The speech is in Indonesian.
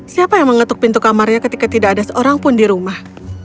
siapa yang mengetuk pintu kamarnya ketika tidak ada seorang pun di rumah